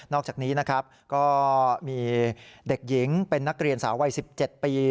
อกจากนี้นะครับก็มีเด็กหญิงเป็นนักเรียนสาววัย๑๗ปี